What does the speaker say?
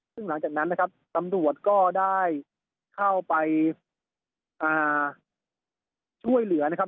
ซึ่งหลังจากนั้นนะครับตำรวจก็ได้เข้าไปช่วยเหลือนะครับ